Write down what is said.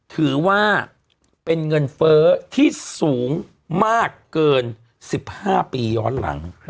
ถือว่าเป็นเงินเฟ้อที่สูงมากเกิน๑๕ปีย้อนหลัง